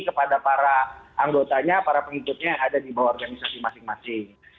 kepada para anggotanya para pengikutnya yang ada di bawah organisasi masing masing